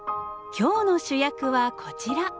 今日の主役はこちら。